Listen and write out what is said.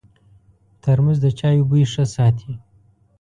ترموز د چایو بوی ښه ساتي.